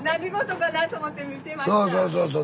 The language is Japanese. そうそうそうそう。